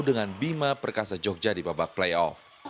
dengan bima perkasa jogja di babak playoff